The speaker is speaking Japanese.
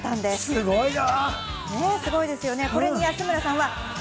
すごいな。